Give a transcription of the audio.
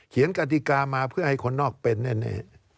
เปลี่ยนกฎิกามาเพื่อให้คนนอกเป็นแน่